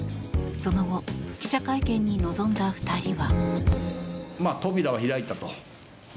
その後記者会見に臨んだ２人は。